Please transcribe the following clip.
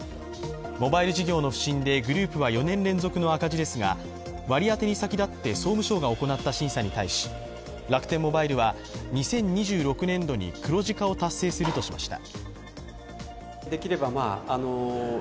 モバイル事業の不振でグループは４年連続の赤字ですが割り当てに先立って総務省が行った審査に対し楽天モバイルは２０２６年度に黒字化を達成するとしました。